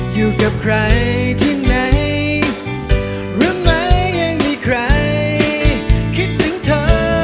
อยู่กับใครที่ไหนรู้ไหมยังไม่มีใครคิดถึงเธอ